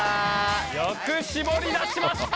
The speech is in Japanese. よくしぼり出しました！